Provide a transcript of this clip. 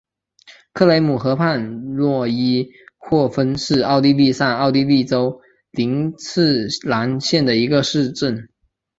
克雷姆河畔诺伊霍芬是奥地利上奥地利州林茨兰县的一个市镇。